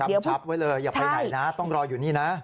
ชับไว้เลยอย่าไปไหนนะต้องรออยู่นี่นะ